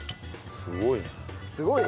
すごいね。